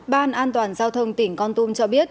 ban an toàn giao thông tỉnh con tum cho biết